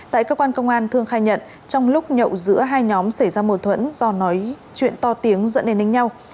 tại cơ quan công an thương khai nhận trong lúc nhậu giữa hai nhóm xảy ra mâu thuẫn do nói chuyện to tiếng dẫn đến đánh nhau